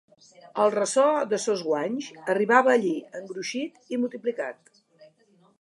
El ressò de sos guanys arribava allí engruixit i multiplicat